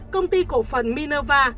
công ty cổ phần minerva